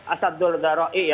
asadul daru'i ya